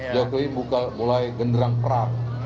jokowi mulai genderang perang